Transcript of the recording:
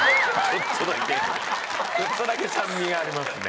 ちょっとだけ酸味がありますね。